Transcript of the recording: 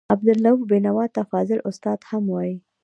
عبدالرؤف بېنوا ته فاضل استاد هم وايي.